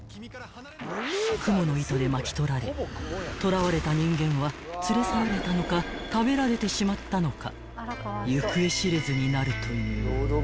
［蜘蛛の糸で巻き取られとらわれた人間は連れ去られたのか食べられてしまったのか］